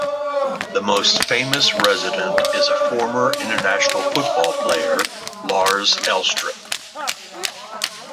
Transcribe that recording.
The most famous resident is a former international football player Lars Elstrup.